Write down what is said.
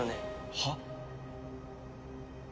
はっ？